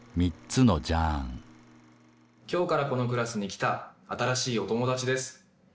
今日からこのクラスに来た新しいお友達です。